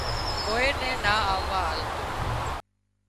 ڪوئي نا آووا آلتو